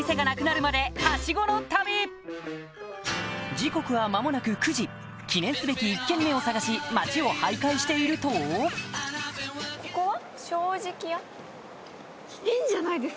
時刻はまもなく９時記念すべき１軒目を探し街を徘徊しているとここは？